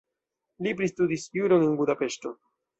Li pristudis juron en Budapeŝto.